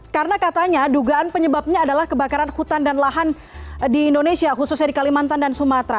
karena katanya dugaan penyebabnya adalah kebakaran hutan dan lahan di indonesia khususnya di kalimantan dan sumatera